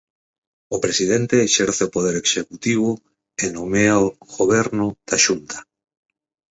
O Presidente exerce o poder executivo e nomea o Goberno da Xunta.